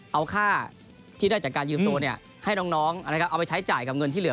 เอาค่าที่ได้จากการยืมตัวให้น้องเอาไปใช้จ่ายกับเงินที่เหลือ